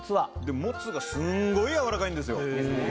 もつがスンゴいやわらかいんですよ。